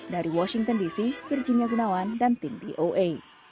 dari washington dc virginia gunawan dan tim voa